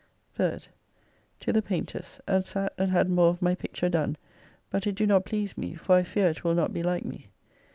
3rd. To the Paynter's and sat and had more of my picture done; but it do not please me, for I fear it will not be like me.